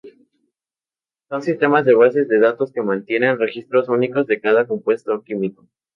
Son sistemas de bases de datos que mantienen registros únicos de cada compuesto químico.